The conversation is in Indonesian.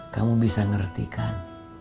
kamu bisa ngertikan